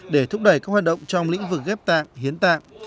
để thúc đẩy các hoạt động trong lĩnh vực ghép tạng hiến tạng